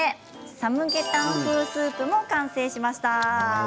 サムゲタン風スープ完成しました。